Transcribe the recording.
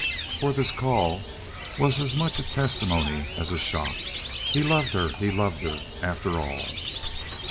For this call was as much a testimony as a shock. He loved her—he loved her, after all.